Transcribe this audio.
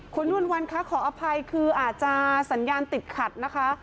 คุณวันคะขออภัยคืออาจจะสัญญาณติดขัดนะคะ